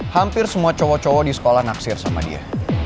hampir semua cowok cowok di sekolah naksir sama dia